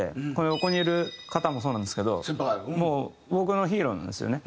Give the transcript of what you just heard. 横にいる方もそうなんですけどもう僕のヒーローなんですよね。